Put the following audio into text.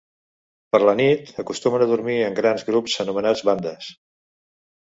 Per la nit, acostumen a dormir en grans grups anomenats bandes.